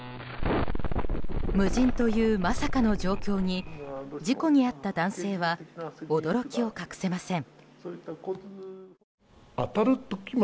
無人というまさかの状況に事故に遭った男性は驚きを隠せません。